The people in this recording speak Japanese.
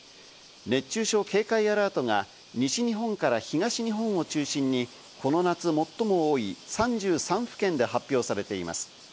熱中症警戒アラートが西日本から東日本を中心にこの夏、最も多い３３府県で発表されています。